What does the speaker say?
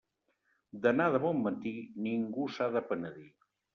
D'anar de bon matí, ningú s'ha de penedir.